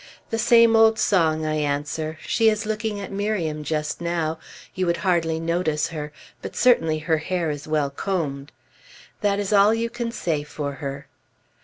The same old song, I answer. She is looking at Miriam just now; you would hardly notice her, but certainly her hair is well combed. That is all you can say for her.